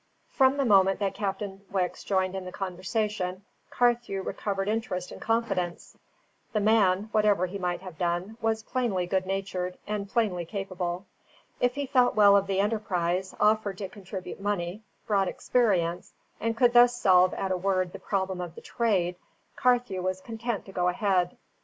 From the moment that Captain Wicks joined in the conversation, Carthew recovered interest and confidence; the man (whatever he might have done) was plainly good natured, and plainly capable; if he thought well of the enterprise, offered to contribute money, brought experience, and could thus solve at a word the problem of the trade, Carthew was content to go ahead.